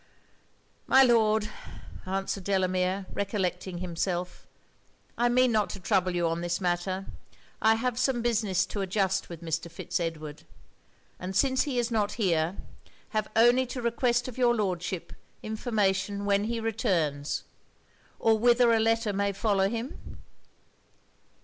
'My Lord,' answered Delamere, recollecting himself, 'I mean not to trouble you on this matter. I have some business to adjust with Mr. Fitz Edward; and since he is not here, have only to request of your Lordship information when he returns, or whither a letter may follow him?'